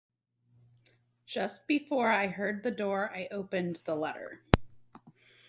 Just before I heard the door, I opened the letter.